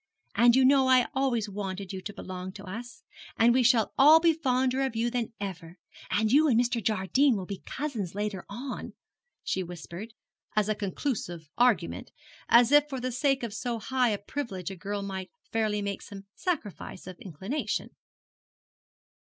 And you know I always wanted you to belong to us. And we shall all be fonder of you than ever. And you and Mr. Jardine will be cousins, later on,' she whispered, as a conclusive argument, as if for the sake of so high a privilege a girl might fairly make some sacrifice of inclination.